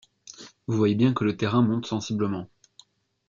Vous voyez bien que le terrain monte sensiblement